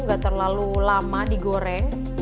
enggak terlalu lama digoreng